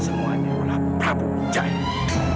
semuanya adalah prabu jaya